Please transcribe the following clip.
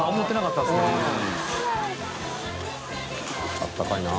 あったかいなぁ。